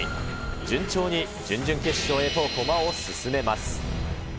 順調に準々決勝へと駒を進めます。